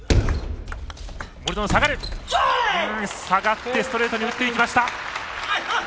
下がってストレートに打っていきました。